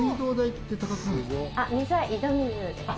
水は井戸水です。